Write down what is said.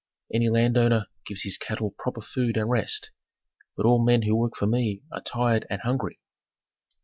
"Any landowner gives his cattle proper food and rest; but all men who work for me are tired and hungry.